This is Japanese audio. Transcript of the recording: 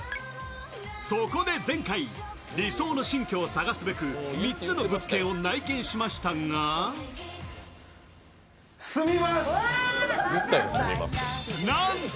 そこで前回、理想の新居を探すべく３つの物件を内見しましたが男性